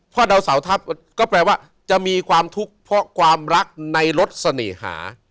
เพราะดาวเสาทัพก็แปลว่าจะมีความทุกข์เพราะความรักในรถเสน่หา